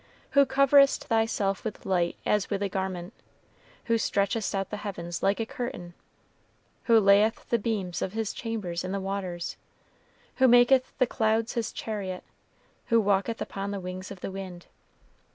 Who coverest thyself with light as with a garment: who stretchest out the heavens like a curtain: who layeth the beams of his chambers in the waters: who maketh the clouds his chariot: who walketh upon the wings of the wind.